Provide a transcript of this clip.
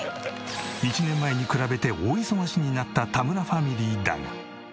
１年前に比べて大忙しになった田村ファミリーだが。